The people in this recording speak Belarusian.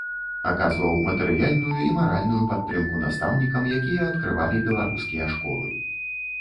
Аказваў матэрыяльную і маральную падтрымку настаўнікам, якія адкрывалі беларускія школы.